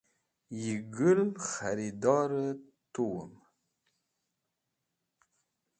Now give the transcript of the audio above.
Yo Gũl kharador-e tuwam